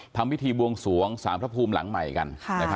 ทำพิธีบวงสวงสารพระภูมิหลังใหม่กัน